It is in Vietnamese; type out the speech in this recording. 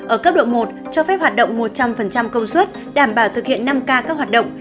ở cấp độ một cho phép hoạt động một trăm linh công suất đảm bảo thực hiện năm k các hoạt động